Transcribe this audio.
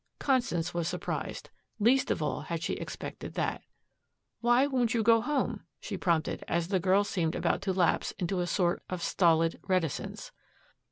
Constance was surprised. Least of all had she expected that. "Why won't you go home?" she prompted as the girl seemed about to lapse into a sort of stolid reticence.